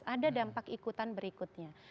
ada dampak ikutan berikutnya